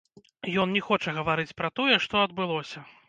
Ён не хоча гаварыць пра тое, што адбылося.